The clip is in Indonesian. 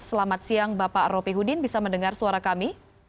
selamat siang bapak ropi hudin bisa mendengar suara kami